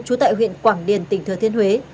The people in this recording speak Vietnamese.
chú tại huyện quảng điền tỉnh thừa thiên huế